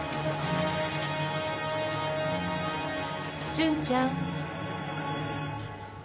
淳ちゃん。